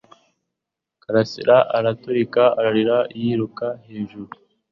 Karasira araturika ararira yiruka hejuru